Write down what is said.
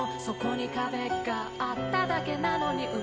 「そこに壁があっただけなのに」